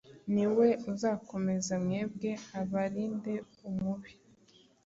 ni we uzakomeza mwebwe, abarinde Umubi.